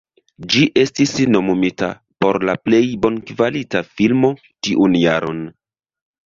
Ĝi estis nomumita por la Plej Bonkvalita Filmo tiun jaron.